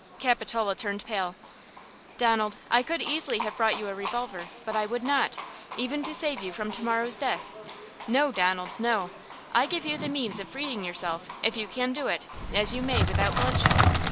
Capitola turned pale. "Donald, I could easily have brought you a revolver; but I would not, even to save you from to morrow's death! No, Donald, no! I give you the means of freeing yourself, if you can do it, as you may, without bloodshed!